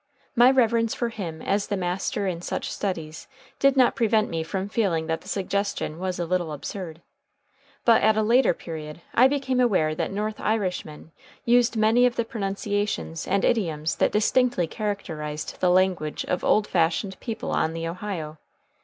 My reverence for him as the master in such studies did not prevent me from feeling that the suggestion was a little absurd. But at a later period I became aware that North Irishmen used many of the pronunciations and idioms that distinctly characterized the language of old fashioned people on the Ohio.